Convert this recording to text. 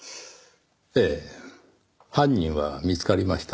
ええ犯人は見つかりました。